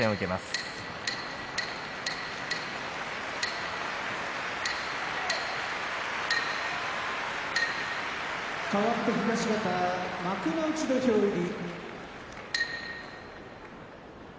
柝きの音かわって東方幕内土俵入り。